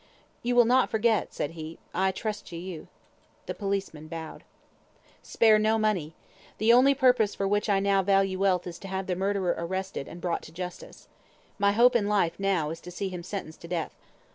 "You will not forget," said he. "I trust to you." The policeman bowed. "Spare no money. The only purpose for which I now value wealth is to have the murderer arrested, and brought to justice. My hope in life now is to see him sentenced to death.